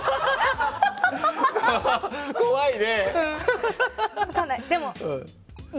怖いね。